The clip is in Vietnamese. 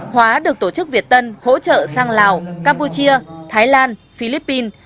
hóa được tổ chức việt tân hỗ trợ sang lào campuchia thái lan philippines